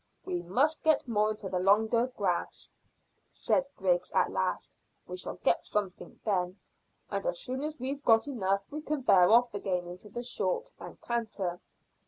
"We must get more into the longer grass," said Griggs at last. "We shall get something then, and as soon as we've got enough we can bear off again into the short, and canter."